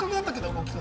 動き。